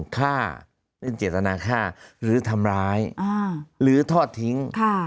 ฆ่าเล่นเจตนาฆ่าหรือทำร้ายหรือทอดทิ้ง